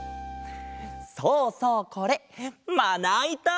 そうそうこれまないた！